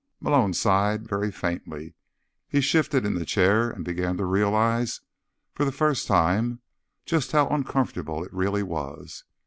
Malone sighed, very faintly. He shifted in the chair and began to realize, for the first time, just how uncomfortable it really was.